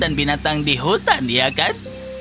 dan binatang di hutan ya kan